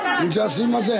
すいません！